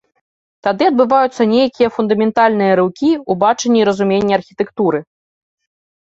Тады адбываюцца нейкія фундаментальныя рыўкі ў бачанні і разуменні архітэктуры.